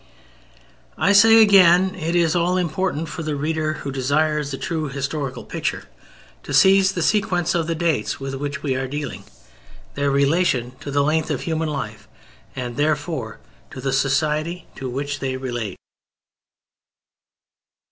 I say, again, it is all important for the reader who desires a true historical picture to seize the sequence of the dates with which we are dealing, their relation to the length of human life and therefore to the society to which they relate.